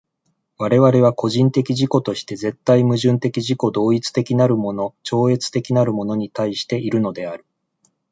我々は個人的自己として絶対矛盾的自己同一的なるもの超越的なるものに対しているのである。